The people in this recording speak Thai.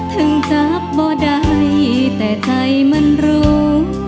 ถึงจับบ่ได้แต่ใจมันรู้